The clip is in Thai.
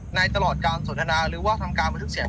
ตลอดการสนทนาหรือว่าทำการบันทึกเสียง